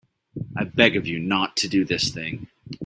I beg of you not to do this thing.